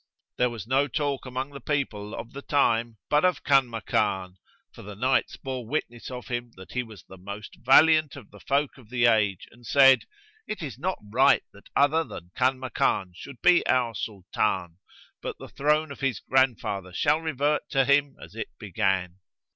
There was no talk among the people of the time but of Kanmakan; for the Knights bore witness of him that he was the most valiant of the folk of the age and said, "It is not right that other than Kanmakan should be our Sultan, but the throne of his grandfather shall revert to him as it began."